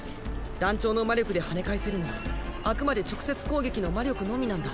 団長の魔力ではね返せるのはあくまで直接攻撃の魔力のみなんだ。